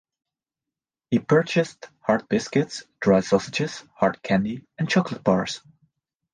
He purchased hard biscuits, dry sausages, hard candy, and chocolate bars.